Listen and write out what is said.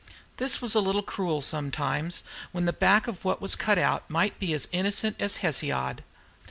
This was a little cruel sometimes, when the back of what was cut out might be as innocent as Hesiod.